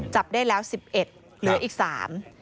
จับได้แล้วสิบเอ็ดเหลืออีกสาม